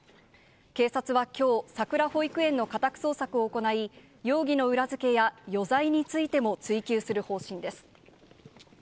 警察はきょう、さくら保育園の家宅捜索を行い、容疑の裏付けや余罪についても追及する方針です。